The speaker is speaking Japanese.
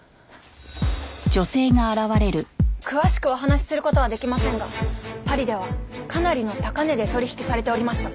詳しくお話しする事はできませんがパリではかなりの高値で取引されておりました。